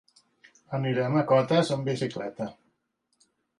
Anirem a Cotes amb bicicleta.